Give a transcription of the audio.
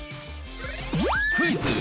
クイズ！